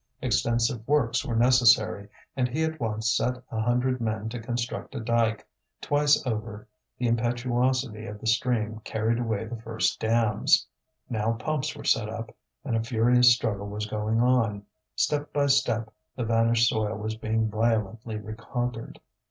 Extensive works were necessary, and he at once set a hundred men to construct a dyke. Twice over the impetuosity of the stream carried away the first dams. Now pumps were set up and a furious struggle was going on; step by step the vanished soil was being violently reconquered.